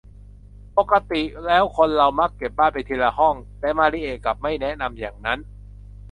ปกติแล้วคนเรามักจะเก็บบ้านไปทีละห้อง แต่มาริเอะกลับไม่แนะนำอย่างนั้น